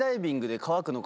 乾くのか？